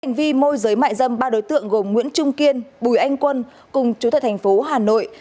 cảnh vi môi giới mại dâm ba đối tượng gồm nguyễn trung kiên bùi anh quân cùng chủ tịch thành phố hà nội